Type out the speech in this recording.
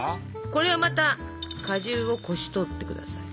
これをまた果汁をこし取って下さい。